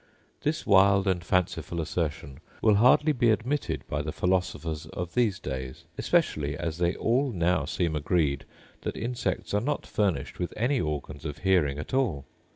This wild and fanciful assertion will hardly be admitted by the philosophers of these days; especially as they all now seem agreed that insects are not furnished with any organs of hearing at all.